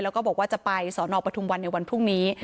แล้วก็บอกว่าจะไปสอนอปทุมวันในวันพรุ่งนี้